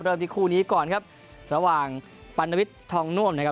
ที่คู่นี้ก่อนครับระหว่างปัณวิทย์ทองน่วมนะครับ